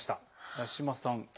八嶋さんＡ。